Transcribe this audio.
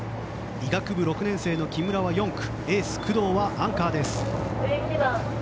医学部６年生の木村は４区エース工藤はアンカーです。